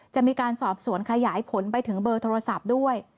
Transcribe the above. จะมีการสอบสวนขยายผลไปถึงเบอร์โทรศัพท์ด้วย